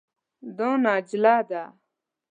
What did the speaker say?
دا نجله ده.